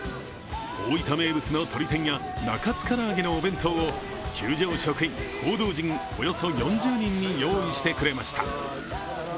大分名物のとり天や中津からあげのお弁当を球場職員、報道陣およそ４０人に用意してくれました。